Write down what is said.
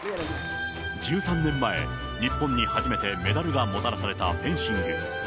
１３年前、日本に初めてメダルがもたらされたフェンシング。